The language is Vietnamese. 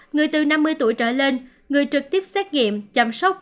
người từ năm mươi tuổi trở lên người trực tiếp xét nghiệm chăm sóc